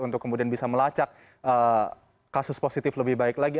untuk kemudian bisa melacak kasus positif lebih baik lagi